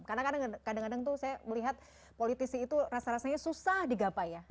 kadang kadang tuh saya melihat politisi itu rasa rasanya susah di gapai ya